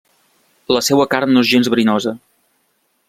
La seua carn no és gens verinosa.